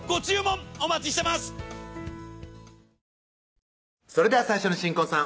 ってそれでは最初の新婚さん